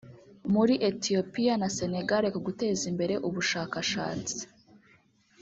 muri Ethiopia na Senegal ku guteza imbere ubushakashatsi